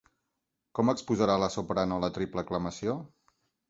Com exposarà la soprano la triple aclamació?